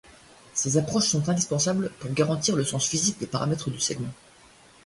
Ces approches sont indispensables pour garantir le sens physique des paramètres du segment.